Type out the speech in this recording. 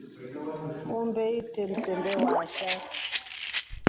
Umbe itre msembe waasha.